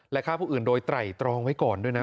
และฆ่าผู้อื่นโดยไตรตรองไว้ก่อนด้วยนะ